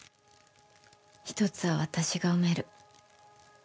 １つは私が埋める。